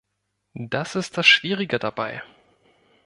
Das ist das Schwierige dabei.